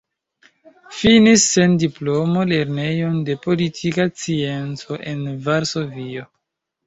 Finis sen diplomo Lernejon de Politika Scienco en Varsovio.